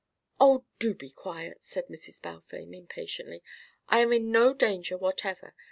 "Oh, do be quiet," said Mrs. Balfame impatiently. "I am in no danger whatever.